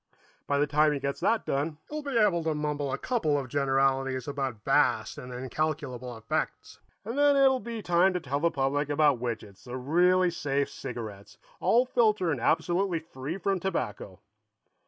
By the time he gets that done, he'll be able to mumble a couple of generalities about vast and incalculable effects, and then it'll be time to tell the public about Widgets, the really safe cigarettes, all filter and absolutely free from tobacco."